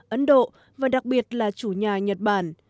ấn độ và đặc biệt là chủ nhà nhật bản